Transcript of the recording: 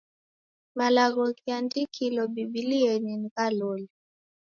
Malagho ghiandikilo Bibilienyi ni gha loli.